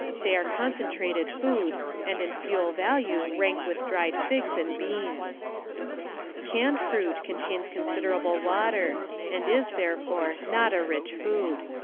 They are concentrated food and in fuel value rank with dried figs and beans. Canned fruit contains considerable water and is, therefore, not a rich food.